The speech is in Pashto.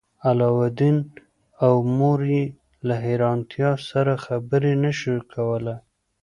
علاوالدین او مور یې له حیرانتیا څخه خبرې نشوای کولی.